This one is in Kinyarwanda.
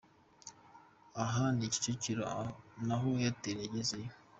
Aha ni Kicukiro naho Airtel yagezeyo.